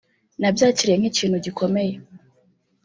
nabyakiriye nk’ikintu gikomeye